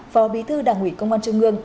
phó bí thư đảng ủy công an trung ương